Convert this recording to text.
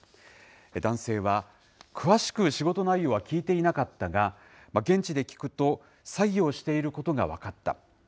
男性は、詳しく仕事内容は聞いていなかったが、現地で聞くと詐欺をしていることが分かった。